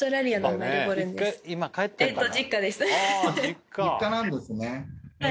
実家なんですね。